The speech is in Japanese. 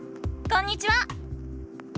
こんにちは！